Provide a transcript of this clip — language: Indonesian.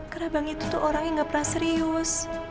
karena bang higet tuh orang yang gak pernah serius